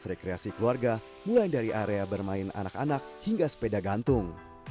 rekreasi keluarga mulai dari area bermain anak anak hingga sepeda gantung